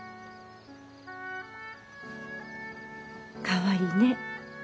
かわいいね。